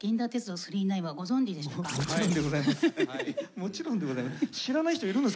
もちろんでございます。